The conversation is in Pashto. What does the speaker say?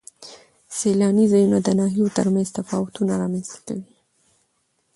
سیلاني ځایونه د ناحیو ترمنځ تفاوتونه رامنځ ته کوي.